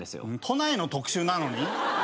都内の特集なのに？